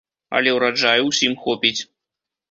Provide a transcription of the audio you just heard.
Але ўраджаю ўсім хопіць.